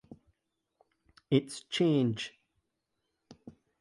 It’s change.